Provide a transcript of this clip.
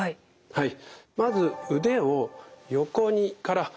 はい。